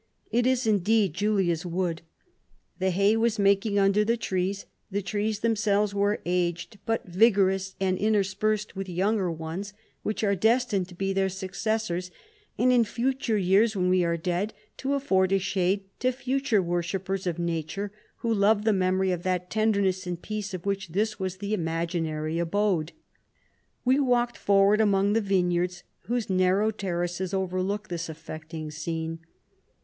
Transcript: It is indeed Julia's wood. The hay was making 132 under the trees ; the trees themselves were aged, but vigorous, and inter spersed with younger ones, which are destined to be their successors, and in future years, when we are dead, to af ford a shade to future worshippers of nature, who love the memory of that tenderness and peace of which this was the imaginary abode. We walked for ward among the vineyards, whose nar row terraces overlook this affecting scene.